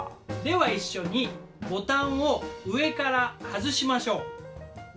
では一緒にボタンを上から外しましょう。